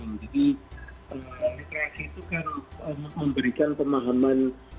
jadi literasi itu harus memberikan pemahaman pengetahuan minimal